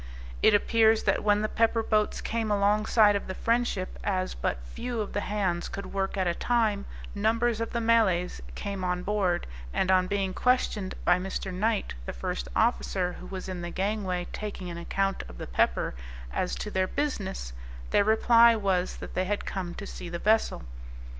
It appears that when the pepper boats came alongside of the Friendship, as but few of the hands could work at a time, numbers of the Malays came on board, and on being questioned by Mr. Knight, the first officer, who was in the gangway, taking an account of the pepper, as to their business, their reply was, that they had come to see the vessel.